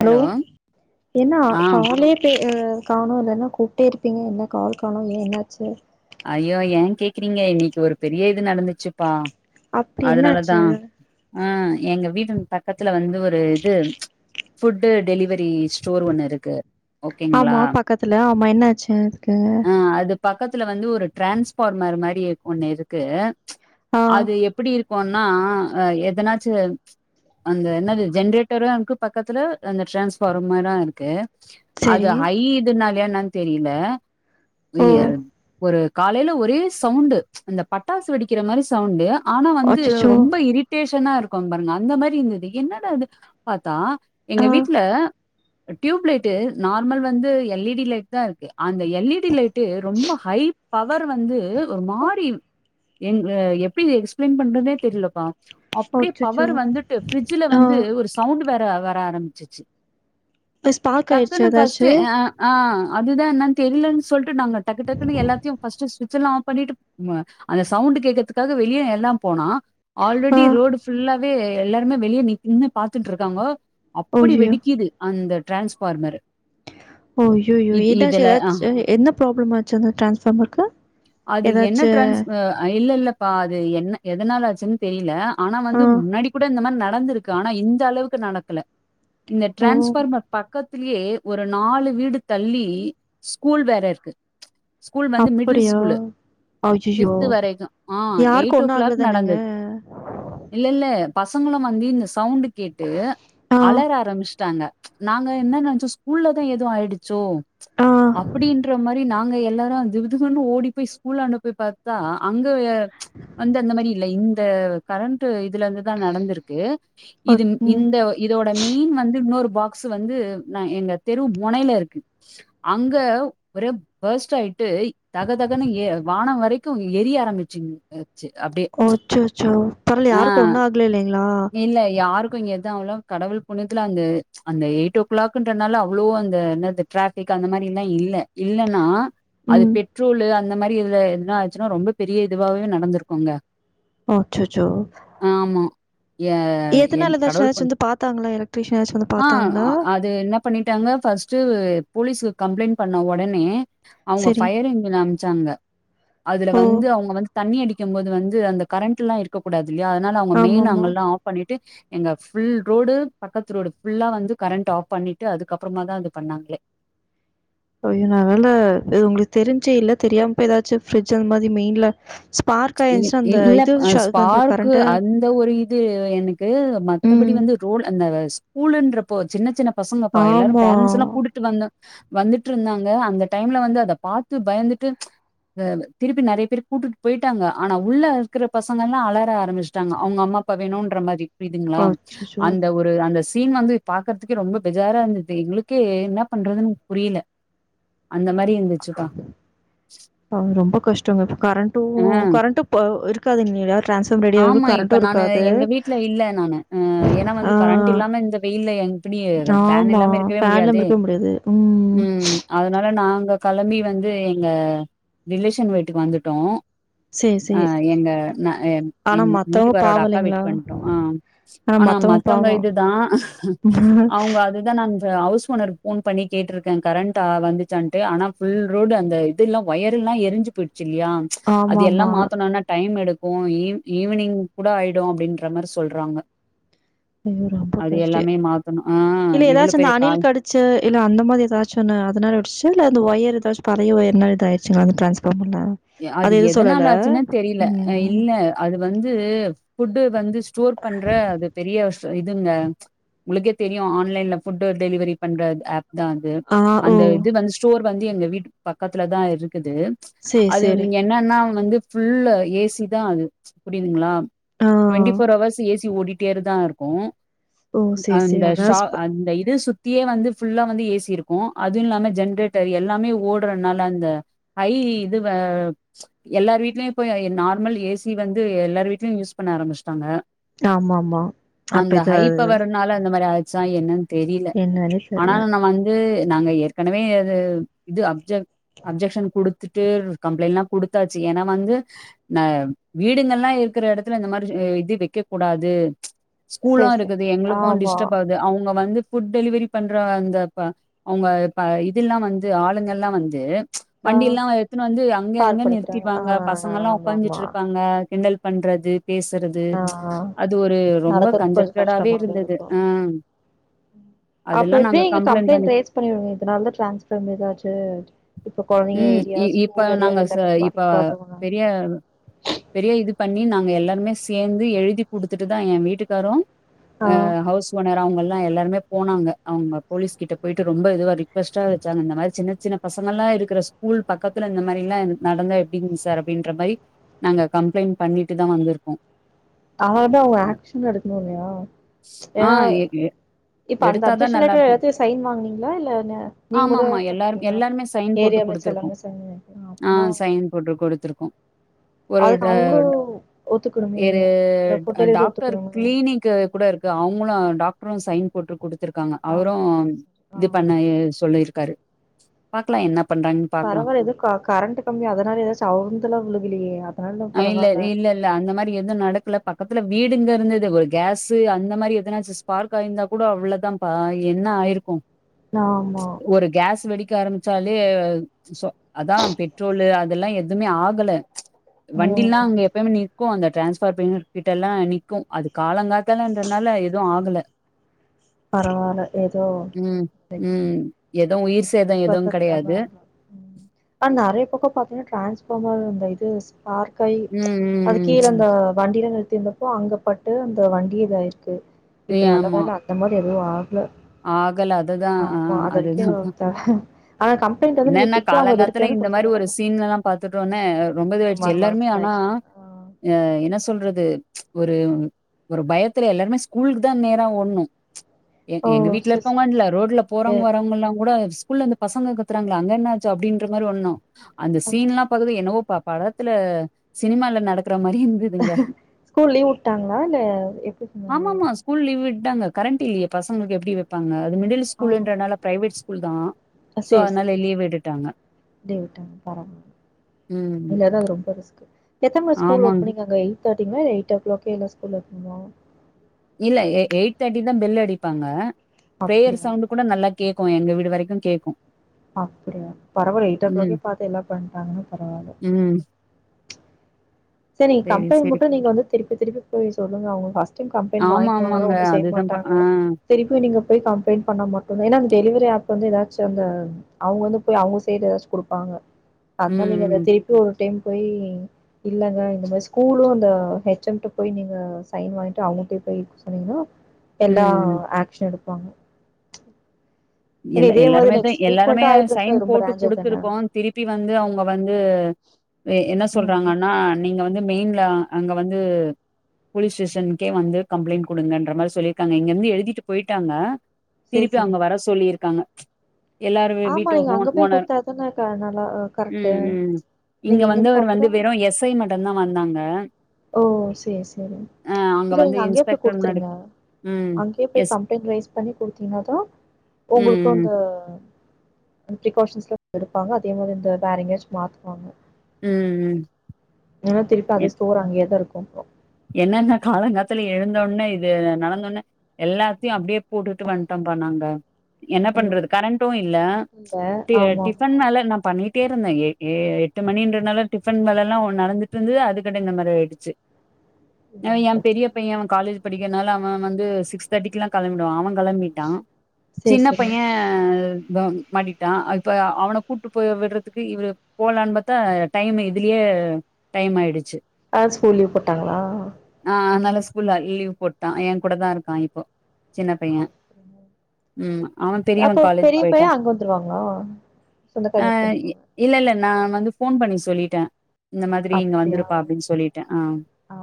Hello என்ன ஆ காலே பே ஆ காணோ இல்லன்னா கூப்ட்டே இருப்பீங்க என்ன கால் காணோ ஏ என்னாச்சு அய்யோ ஏ கேக்குறீங்க இன்னக்கி ஒரு பெரிய இது நடந்துச்சுப்பா அப்டி அதனாலதா என்னாச்சு ஆ எங்க வீட்டுன் பக்கத்துல வந்து ஒரு இது ஃபுட் டெலிவரி ஸ்டோர் ஒண்ணு இருக்கு ஓகேங்களா ஆமா பக்கத்துல ஆமா என்ன ஆச்சு அதுக்கு ஆ அது பக்கத்துல வந்து ஒரு டிரான்ஸ்பார்மர் மாரி ஒண்ணு இருக்கு ஆ அது எப்டி இருக் குன்னா எதனாச்சு அந்த என்னது ஜென்ரேட்டரு இருக்கு பக்கத்துல அந்த டிரான்ஸ்பார்மரு இருக்கு அது செரி ஹை இதுனாலயா என்னன்னு தெரில ஓ வியர் ஒரு காலேல ஒரே சவுண்ட் அந்த பட்டாசு வெடிக்கிற மாரி சவுண்ட் ஆனா வந்து அச்சச்சோ ரொம்ப இரிட்டேஷன் னா இருக்கு பாருங்க அந்த மாரி இருந்தது என்னடா அது பாத்தா ஆ எங்க வீட்ல டியூப் லைட்டு நார்மல் வந்து எல்இடி லைட்தா இருக்கு அந்த எல்இடி லைட்டு ரொம்ப ஹை பவர் வந்து ஒரு மாரி எங் எப்டி எக்ஸ்பிளைன் பண்றதுன்னே தெரிலப்பா அப்டியே அச்சச்சோ பவர் வந்துட்டு ப்ரிட்ஜில ஆ வந்து ஒரு சவுண்ட் வேற வர ஆரம்பிச்சுச்சு ஸ்பார்க் ஆயிடுச்சு டக்குன்னு ஃபஸ்ட் ஏதாச்சு ஆ ஆ அதுதா என்னானு தெரிலன் சொல்ட்டு நாங்க டக்கு டக் குனு எல்லாத்தியு ஃபஸ்ட்டு ஸ்விட்சல்லா ஆஃப் பண்ணிட்டு ம்ம அந்த சவுண்ட் கேக்கறதுக்காக வெளியே எல்லாம் போனா ஆ ஆல்ரெடி ரோடு ஃபுல்லாவே எல்லாருமே வெளியே நிக் நின்னு பாத்துட்டுருக்காங்க அப்பிடி ஐயோ வெடிக்கிது அந்த டிரான்ஸ்பார்மரு ஐய்யயோ என்னாச்சு அ ஏதாச்சு அஹா என்ன ப்ராப்ளமாச் சு அந்த டிரான்ஸ்பார்மருக்கு ஏதாச்சு இல்லெல்லப்பா அது என்ன எதனால ஆச்சு தெரில ஆனா ஆ வந்து முன்னடி கூட இந்த மாரி நடந்துருக்கு ஆனா இந் இந்தளவுக்கு நடக்கல இந்த ஓ டிரான்ஸ்பார்மர் பக்கத் த்துலியே ஒரு நாலு வீடு தள்ளி ஸ்கூல் வேறருக்கு ஸ்கூல் வந்து மிடில் அப்படியா ஸ்கூலு ஐயயோ திஃப்த்து வரைக்கு ஆ யாருக்கு எயிட் ஓ ஒண்ணு ஆகல கிளாக் நடந்த தானங்க இல்லெல்ல பசங்களும் வந்து இந்த சவுண்ட் கேட்டு ஆ அலர ஆரம்பிச்சு ட்டாங்க நாங்க என்ன நெனைச்சோ ஸ்கூல்ல தா எதுவு ஆயிடுச்சோ ஆ அப்டின்ற மாரி போய் நாங்க எல்லாரு திபுத்திபுனு ஓடி போய் ஸ்கூலாண்ட போய் பாத்தா அங்க வந்து அந்த மாரி இல்ல இந்த கரண்ட் இதுலந்துதா நடந்துருக்கு ஒ இது ம் இந்த இதோட மெயின் வந்து இன்னொரு பாக்ஸு வந்து நா எங்க தெரு மெனையில இருக்கு அங்க ஒரு பஸ்ட்டாயிட்டு தக தகன்னு ஏ வானோ வரைக்கு எரிய ஆரம்பிச்சுங் அ ச்சி அப்டே அச்சச்சோ பரவால்ல ஆ யாருக்கும் ஒண்ணும் ஆகல இல்லைங்களா? இல்ல யாருக்கு இங்க இருந்தாவுலு கடவுள் புண்ணியத்துல அந்த அந்த எயிட் ஓ கிளாக்குன்றனால அவ்ளோ அந்த என்னாது டிராபிக் அந்த மாரி ஏனா இல்ல இ னா அது ம் பெட்ரோல் அந்த மாரி இதுல எதுனா ஆச்சுன்னா ரொம்ப பெரிய இதுவாவே நடந்துருக்கோங்க அச்சச்சோ ஏ என் எதனால ஏதாச்சும் கடவுள் ஏதாச்சும் புண் வந்து பாத்தாங்களா? எலக்ட்ரீஷியன் ஏதாச்சும் வந்து ஆ பாத்தாங்களா? அ அது என்ன பண்ணிட்டாங்க ஃபர்ஸ்ட்டு போலீஸுக் கம்ப்ளைண்ட் பண்ண ஒடனே அவங்க சரி. ஃபயர் எஞ்ஜின் அமைச்சாங்க அதுல ஓ! வந்து அவுங்க வந்து தண்ணி அடிக்கும் போது வந்து அந்த கரண்ட்ல்லா இருக்கக் கூடாது இல்லையா அதனால அவங்க மெயின் ஆமாமா. அங்கல்லா ஆஃப் பண்ணிட்டு எங்க ஃபுல் ரோடு பக்கத்து ரோடு ஃபுல்லா வந்து கரண்ட் ஆஃப் பண்ணிட்டு அதுக்கப்பறமா தா அது பண்ணாங்ளே [inaudible] ஐயோ நல்லவேல உங்ளுக் தெரிஞ்சேல்ல தெரியாம போய் ஏதாச்சு ஃபிரிட்ஜி அந்த மாதிரி மெயின்ல சு இ இல்லப் அ ஸ்பார்க்கு கரண்ட்டு. அந்த ஒரு இது எனக்கு மத்தபடி ம். வந்து தோழ் அந்த ஸ்கூலன்றப்போ சின்ன சின்ன பசங்கப்பா எல்லாரும் ஆமா. பேரன்ட்ஸெல்லா கூட்டிட்டு வந்த வந்துட்டுருந்தாங்க அந்த டைம்ல வந்து அத பாத்து பயந்துட்டு அ ப்ப திருப்பி நறைய பேர் கூட்டிட்டு போயிட் ட்டாங்க ஆனா உள்ள இருக்கற பசங்கள்லா அலர ஆரம்பிச்சுட்டாங்க அவங்க அம்மா அப்பா வேனுன்ற மாரி புரியுதுங்களா அச்சச்சோ! அந்த ஒரு அந்த தீன் வந்து பாக்கற்துக்கே ரொம்ப பெஜாரா இருந்துந்தது எங்களுக்கே என்ன பண்றதுன்னு புரியல அந்த மாரி இருந்துச்சுப்பா ஆ ரொம்ப கஷ்டோங்க இப்ப கரண்ட்டு ஆ டு கரண்ட்டு ப்போ இருக்காதுங்ள ஆமா இப்ப நானு எங்க வீட்ல இல்ல நானு அ ஏன்னா வந்து ஆ. கரண்ட்டில்லாம இந்த வெயில்ல நாங்க இப்டியே ஃபேன் ஆமா. இல்லாம இருக்கவே ஃபேன் இல்லாம முடியாதே இருக்கவே முடியாது. ம் அதனால நாங்க களம்பி வந்து எங்க ரிலேஷன் வீட்டுக்கு வந்துட்டோ சரி, அ சரி. எங்க நா என் ஆனா எங்க மத்தவங்க வீட்டுக்காரோட பாவம் அக்கா இல்லைங்களா? வீட்டுக்கு வந்டோ ஆ ஆனா மத்தவங்க இதுதா அவுங்க அதுதா நா அஞ்ச ஹவுஸ் ஓனருக் ஃபோன் பண்ணி கேட்டுருக்கே கரண்ட்டு வந்துச்சான்டு ஆனா ஃபுல் ரோடு அந்த இதெல்லா‌ ஒயர் ஒயரல்லா எரிஞ்சு போயிட்ச்சில்லையா அது எல்லா ஆமாமா. மாத்தனுன்னா டைமெடுக்கு ஈவ் ஈவினிங் கூட ஆயிடு அப்டின்ற மாரி சொல்றாங்க அய்யோ ரொம்ப அது கஷ்டே எல்லாமே மாத்தணு ஆ இல்ல இவ்வளவு ஏதாச்சு அந்த பெரிய அணில் கால் கடுச்ச இல்ல அந்த மாதிரி எதாச்சோன அதனால வெடிச்சா இல்ல அந்த ஒயர் எதாச்சு பழய வொயர்னால இதா ஆயிருச்சுங்களா அந்த டிரான்ஸ்ஃபாமு அது எதனால ஆச்சுன்னா தெரில ம். இல்ல அது வந்து ஃபுட்டு வந்து ஸ்டோர் பண்ற அது பெரிய இதுங்க உங்களுக்கே தெரியு ஆன்லைன்ல ஃபுட்டு டெலிவரி பண்ற ஆப் அதா அது ஆ, ஓ! அந்த இது வந்து ஸ்டோர் வந்து எங்க வீட்டு பக்கத்துலதா இருக்குது சரி, அது சரி. என்னன்னா வந்து ஃபுல்லு ஏசி தா அது புரியுதுங்களா ஆ. ட்வெண்ட்டி ஃபோர் ஹவர்ஸ் ஏசி ஓடிட்டேருதா இருக்கு ஓ! சரி, சரி. அந்த அதான் ஷா ஸ்ப அந்த இது சு தியே வந்து ஃபுல்லா வந்து ஏசி இருக்கு அதுவு இல்லாம ஜென்ரேட்டர் எல்லாமே ஓடுறதுனால அந்த ஹை எல்லார் வீட்லயு போய் நார்மல் ஏசி வந்து எல்லார் வீட்லயு யூஸ் பண்ண ஆரம்பிச்ட்டாங்க ஆமாமா. அப்ப அந்த இது ஹை பவர்னால அந்த மாரி ஆயி சா என்னன்னு தெரில என்னன்னே ஆனா தெரியல. நா வந்து நாங்க ஏற்கனவே அது இது அப்ஜ அப்ஜெக்ஷன் குடுத்து கம்ப்ளைன்லா குடுத்தாச்சு ஏன்னா வந்து நா வீடுங்கல்லா இருக்கற எடத்துல இந்த மாரி வெக் வெக்ககூடாது ஸ்கூலு சரி, சரி. இருக்குது எங்களுக்கு ஆமா. டிஸ்டப் ஆவுது அவுங்க வந்து ஃபுட் டெலிவரி பண்ற அந்த ப அவுங்க ப இதெல்லா வந்து ஆளுங்கல்லா வந்து ஆ. வண்டில்லா எடுத்துன்னு வந்து அங்கே கால் இங்கன்னு பண்ணிக்கிறாங்க ஆ நிறுத்திருவாங்க பசங்க எல்லா ஆமா ஆமா உக்காஞ்சிட்டு இருப்பாங்க கிண்டல் பண்றது பேசறது ஆ அது ஒரு ரொம்ப நடக்கறது கொஞ்சோ கஞ்சக்டடாவே கஷ்டமாவே இருந்தது இருக்கு ஆஹ் அப்ப எப்பே இங்க கம்ப்ளைண்ட் ரேஸ் பண்ணிடுங்க இதனால தா டிரான்ஸ்ஃபாம் இதாச்சு இப்ப கொழந்தைங்க ம். ஏறி இ இப்ப நாங்க ச இப்ப பெரிய பெரிய இது பண்ணி நாங் எல்லாருமே சேந்து எழுதி குடுத்துட்டு தா ஏ வீட்டுக்காரு ஆ அ ஹவுஸ் ஓனர் அவுங்க எல்லாருமே போனாங்க அவுங்க போலீஸ் கிட்ட போயிட்டு ரொம்ப இதுவா ரிக்வஸ்டா வச்சாங்க இந்த மாதிரி சின்ன சின்ன பசங்கல்லா இருக்கற ஸ்கூல் பக்கத்துல இந்த மாரில்லா நடந்தா எப்டிங் சார் அப்டின்ற மாரி நாங்க கம்ப்ளைண்ட் பண்ணிட்டு தா வந்திருக்கோ அததா அவுங்க ஆக்ஷன் எடுக்கணு இல்லையா ஏன்னா ஆஹ் இருக்கு இப்ப அந்த எடுத்தாதா அப்ஜெக்ஷன் நல்லா லெட்டர் இருக்கு எல்லாத்தையு சைன் வாங்குனீங்களா இல்ல ந நீங்க மட்டு ஆமாமா எல்லாரு போட்ருக்கீங்களா எல்லாருமே சைன் போட்டு ஏரியா மேட்ச் குடுத்துருக்கோ எல்லாமே சைன் வாங்கிருக்கீங்க அப்பனா ஆஹ் சைன் போட்டு குடுத்துருக்கோ ஒரு அதுக்கு டா அவங்களு ஒத்துக்கணுமே இரு அந்த ஃபுட் டெலிவரி டாக்டர் ஒத்துக்கணுமே க்ளீனிக் கூட இருக்க அவுங்களு டாக்ட்ரு சைன் போட்டு குடுத்திருக்காங்க அவரு அப்போ சரி இது பண்ண ஆ சொல்லிருக் காரு பாக்கலா என்ன பண்றாங்கன்னு பாக்லா பரவால்ல எதோ கரண்ட் கம்பி அதனால எதாச்சு அவுந்துலா உளுகலியே அஹ் இல்ல இல்ல இல்ல அந்த மாரி எதுவு நடக்கல பக்கத்துல வீடுங்க இருந்தது ஒரு கேஸு அந்த மாரி எதனாச்சு ஸ்பார்க் ஆயிருந்தா கூட அவ்ளதாப என்ன ஆயிருக்கு ஆமா ஒரு கேஸ் வெடிக்க ஆரம்பிச்சாலே சோ அதா பெட்ரோலு அதெல்லா எதுமே ஆகல வண்டில்லா ம் அங்க எப்பமே நிற் க்கு அந்த ட்ரான்ஸ்ஃபார் பின் கிட்ட எல்லா நிக்கு அது காலங்காத்தலன்றதனால எதுவு ஆகல பரவால்ல ஏதோ உம் உம் எ பக்கத்தாப்பா நெறைய பக்கோ பாத்தீங்கன்னா டிரான்ஸ் ஃபாமர் அந்த இது ஸ்பார்க் ஆயி ம், அது ம், கீழ அந்த வண்டில திந்தப்போ அங்க பட்டு அந்த வண்டி இதாயிருக்கு இப்ப ம். நல்ல ஆமா. வேல அந்த மாரி எதுவு ஆகல ஆகல அதுதா ஆமா ஆஹ் அது வரைக்கு அதுதாப்ப த ஆனா கம்ப்ளைண்ட் வந்து நீங்க என்னன்னா திருப்பி அவுங்க அத காலங்காத்தால ரிட்டன் இந்த மாரி ஒரு குடுத்துருங்க சீன்ல எல்லா பாத்துட்டோனே ரொம்ப ம இதுவாயி எல்லாருமே மனசு ஆனா ஆயிடுச்சு ஆ என்ன சொல்றது ஒரு ஒரு பயத்துல எல்லாருமே ஸ்கூலுக்கு தா நேரா ஓட்னோ ஓ எங்க வீட்ல செரி இருக்கவங்கன்ல ரோட்ல செரி போறவங்க வரவங்கல்லா கூட ஸ்கூல்ல அந்தபசங்க கத்துறாங்ள அங்க என்னாச்சு அப்படின்ற மாரி ஒட்ணும் அந்த சீன்ல்லாம் பாத்தது என்னவோ ப படத்துல சினிமால நடக்க ற மாரி இருந்துதுங்க ஸ்கூல் லீவ் விட்டாங்களா இல்ல எப்டி சொன்னாங்க ஆமாமா ஸ்கூல் லீவ் விட் டாங்க கரண்ட் இல்லையே பசங்களுக்கு எப்படி வப்பாங்க அது மிடில் ஸ்கூல்ன்றனால பிரைவேட் ஸ்கூல் தா அ சேரி சேரி டே விட்டாங்க ப ம் இல்லனா அது ரொம்ப ரிஸ்கு எத்த மணி ஸ்கூல் ஆமாங் ஓப்பனிங் அங்க எய்ட் தேர்ட்டிங்ளா இல்ல எயிட்டோ கிளாக்கே எல்லா ஸ்கூல் ஓப்பணா இல்ல எ எயிட் தேர்ட்டி தா பெல் அடிப்பாங்க ப்ரேயர் அப்டியா சவுண்டு கூட நல்லா கேக்கு எங்க வீடு வரைக்கு கேக்கு அப்டியா பரவால்ல எயிட் ஓ கிளாக்கே பாத்து எல்லா பண்றாங்கன்னா பரவால்ல ம் சரி கம்ப்ளைண்ட் மட்டு நீங்க வந்து திருப்பி திருப்பி போய் சொல்லுங்க அவங்களுக்கு ஃபர்ஸ்ட் டைம் கம்ப்ளைண்ட் ஆமா வாங்கிகுவாங்க ஆனா ஆமாங்க ஒன்னு செய்ய அதுதான் ப மாட்டாங்க ஆ திருப்பி நீங்க போய் கம்ப்ளைண்ட் பண்ணா மட்டுதா ஏன்னா அந்த டெலிவரி ஆப் வந்து ஏதாச்சு அந்த அவங்க வந்து போய் அவங்க சைடு ஏதாச்சு கொடுப்பாங்க அதனால நீங்க ம் திருப்பி ஒரு டைம் போய் இல்லங்க இந்த மாரி ஸ்கூலு அந்த ஹெச் எம்ட போய் நீங்க சைன் வாய்ன்டு அவங்கள்ட்டயே போய் சொன்னீங்னா ம் எல்லா ம் ஆக்சன் எடுப்பாங்க ஏன்னா எல்ல இதே மாரி எல்லாருமே தா நெக்ஸ்ட் எல்லாருமே ஃப்ரீக்வென்ட்டா ஆயிட்டு இருந்துச்சுனா சைன் அது ரொம்ப போட்டு டேஞ்சர் தான குடுத்துருக்கோ திருப்பி வந்து அவுங்க வந்து என்ன ம் சொல்றாங்கன்னா நீங்க வந்து மெயின்ல அங்க வந்து போலீஸ் ஸ்டேஷனுக்கே வந்து கம்ப்ளைண்ட் குடுங்கன்ற மாரி சொல்லிருகாங்க இங்கிருந்து எழுதிட்டு போயிட்டாங்க சேரி திருப்பி சேரி அங்க வர சொல்லிருக்காங்க எல்லாரு ஆமா வீட்டு நீங்க ஓ அங்க போய் ஓனர் குடுத்தாதான க நல்லா கரெக்ட்டு ம் ம் இங்க நீங்க இங்கிருந்து வந்தவர் வந்து பாக்குதா வெறு எஸ்ஐ மட்டுதா வந்தாங்க ஓ சேரி சேரி அ அங்க இல்ல வந்து நீங்க அங்கயே போய் இன்ஸ்பெக்டர் முன்னாடி குடுத்துருங்க ம் அங்கேயே போய் எஸ் கம்ப்ளைண்ட் ரைஸ் பண்ணி கொடுத்தீனா தா ம் உங்களுக்கு அந்த பிரிகாஷன்ஸ்லா எடுப்பாங்க அதே மாரி இந்த வேற எங்கயாச்சு மாத்துவாங்க ம் ம் ம் ஏன்னா திருப்பி அதே ஸ்டோர் அங்கேயே தா இருக்கு அப்புற என்னன்ன காலங்காத்தல எழுந்தோனே இது நடந்தோனே எல்லாத்தையு அப்டியே போட்டுட்டு வன்ட்டோ பண்ணாங்க என்ன ஐயோ பண்றது கரண்டு இல்ல இல்ல டி ஆமா டிஃபன் ஆமா மேல ந பண்ணி ட்டே இருந்தே எ எ எட்டு மணின்றனால டிஃபன் வேல எல்லா நடந்துட்ருந்து அதுக்கட இந்த மாதிரி ஆயிடுச்சு இது என் ரொம்ப எ கஷ்டோ பெரியபைய அவ காலேஜ் படிக்கறனால அவ வந்து சிக்ஸ் தேர்டிக்கெல்லா கெளம்பிடுவா அவ கெளம்பிட்டா சேரி சின்ன சேரி பைய வ மாட்டிட்டா இப்ப அவன கூப்ட்டு போய் விடுறதுக்கு இவர் போலான்னு பாத்தா டைம் இதுலயே அ டைம் ஆயிடுச்சு அ ஸ்கூல் லீவு போட்டாங்களா ஆ அதனால ஸ்கூல்ல லீவ் போட்டா ஏ கூட தா இருக்கா இப்போ சின்ன பைய ம் அவ பெரியவ அப்போ காலேஜ் பெரிய பைய போயிட்டா அங்க வந்துருவாங்ளா சொந்தக்காரங்க அ வீட்டுக்கு வந்துருவாங்க இல்ல இல்ல நா வந்து ஃபோன் பண்ணி சொல்லிட்டே இந்த மாதிரி இங்க அப்டியா வந்திருப்பா அப்படின் சொல்லிட்டே அ ஆ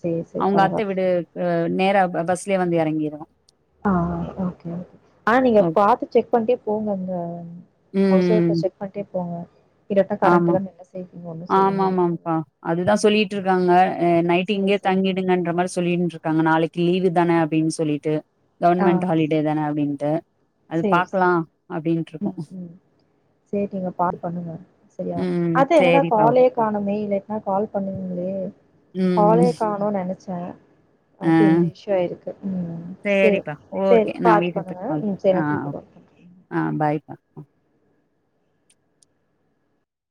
சேரி சேரி அவுங்க அத்த பரவால வீடு நேரா பஸ்லயே வந்து எறங்கிருவா அ ஓகே ஓகே ஆனா நீங்க ஓ பாத்து செக் பண்ட்டே போங்கங்க ஹவுஸ் ம் ஓனர்ட செக் பண்ட்டே போங்க இருட்ட கரண்ட் இல்ல என்ன செய் ஆமா ஆமாப்பா அதுதா சொல்லிட்டு இருக்காங்க நைட்டு் சேரி இங்கயே சேரி தங்கிடுங்கன்ற மாரி சொல்லிட்ரு க்காங்க நாளைக்கு லீவு தான அப்டின் சொல்லிட்டு ஆ கவர்மெண்ட் ஹாலிடே தான அப்டின்ட்டு அது சேரி பாக்லா சேரி அப்டின்ருக்கோ ம் ம் சேரி நீங்க கால் பண்ணுங்க சரியா ம். அது என்னடா சரிப்பா. காலே காணமே இல்லைனா கால் பண்ணுவீங்ளே ம். காலே காணோ நெனைச்சே ஆ அது இந்த இஷ்யு ஆயிருக்கு ம் செர் சரிப்பா. செரி ஓகே. நான் வீட்டுக்கு போய் கால் பாத்துபனுங்க பண் செரி ஆ. நா திருப்பி கால் பண்ர ஆ பாய்.